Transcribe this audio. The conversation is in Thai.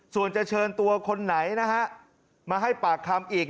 ส่วนจะเชิญตัวคนไหนนะฮะมาให้ปากคำอีก